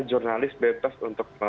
jurnalis bebas untuk kesana